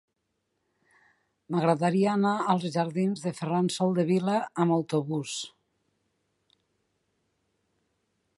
M'agradaria anar als jardins de Ferran Soldevila amb autobús.